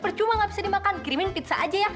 percuma gak bisa dimakan kirimin pizza aja ya